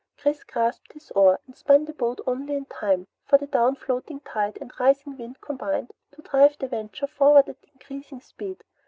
Chris grasped his oar and spun the boat only in time, for the down flowing tide and rising wind combined to drive the Venture forward at increasing speed.